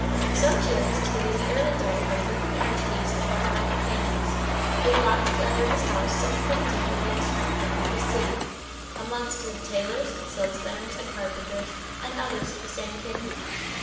It so chanced that in the early day I was at the marriage feast of one of my companions, who had gotten together in his house some twenty of the handicraftsmen of this city, amongst them tailors and silk spinners and carpenters and others of the same kidney.